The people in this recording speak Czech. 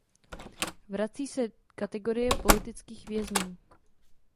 Vrací se kategorie politických vězňů.